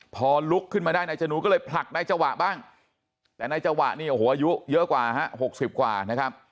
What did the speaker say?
พอลุกขึ้นมาได้นายจนูก็เลยผลักนายจังหวะบ้างแต่นายจังหวะนี่โอ้โหอายุเยอะกว่าฮะ๖๐กว่านะครับ